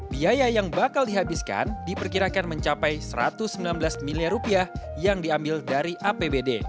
biaya yang bakal dihabiskan diperkirakan mencapai rp satu ratus sembilan belas miliar rupiah yang diambil dari apbd